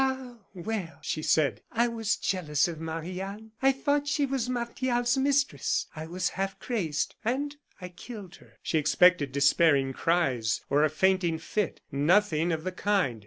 "Ah, well!" she said, "I was jealous of Marie Anne. I thought she was Martial's mistress. I was half crazed, and I killed her." She expected despairing cries, or a fainting fit; nothing of the kind.